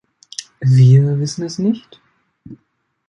Wir wissen es nicht!